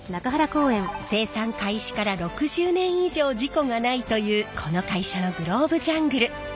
生産開始から６０年以上事故がないというこの会社のグローブジャングル。